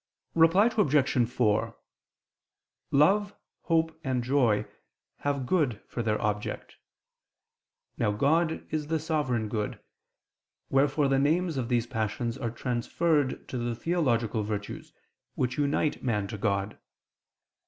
Reply Obj. 4: Love, hope and joy have good for their object. Now God is the Sovereign Good: wherefore the names of these passions are transferred to the theological virtues which unite man to God.